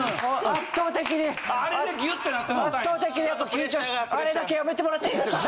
圧倒的にやっぱ緊張あれだけやめてもらっていいですか？